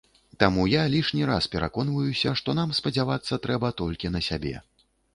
Таму я лішні раз пераконваюся, што нам спадзявацца трэба толькі на сябе.